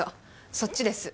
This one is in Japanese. そっちです。